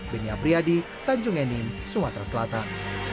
benya priadi tanjung enim sumatera selatan